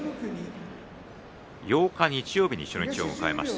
８日日曜日に初日を迎えました。